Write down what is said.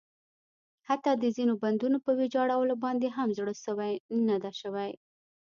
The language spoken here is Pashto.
حتٰی د ځینو بندونو په ویجاړولو باندې هم زړه سوی نه ده شوی.